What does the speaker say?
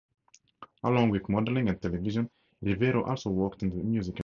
Along with modeling and television Rivero also worked in the music industry.